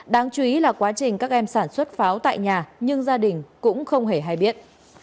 đáng chú ý là quá trình các em sản xuất pháo tại nhà nhưng gia đình cũng không hề hay biết